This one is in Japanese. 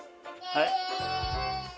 はい。